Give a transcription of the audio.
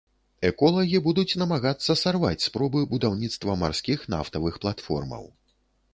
Эколагі будуць намагацца сарваць спробы будаўніцтва марскіх нафтавых платформаў.